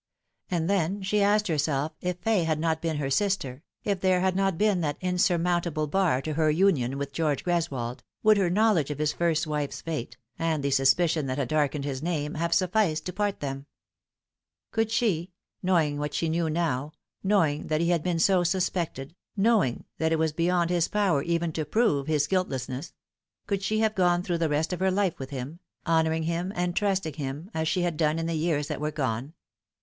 And then she asked herself if Fay had not been her sister, if there had not been that insurmountable bar to her union with George Greswold, would her knowledge of his first wife's fate, and the suspicion that had darkened his name, have sufficed to part them ? Could she, knowing what she now knew, knowing that he had been so suspected, knowing that it was beyond his power ever to prove his guiltlessness could she have gone through the rest of her life with him, honouring him and trust ing him as she had done in the years that were gone